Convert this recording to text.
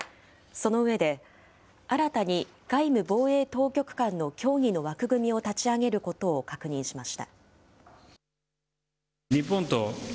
その上で、新たに外務・防衛当局間の協議の枠組みを立ち上げることを確認しました。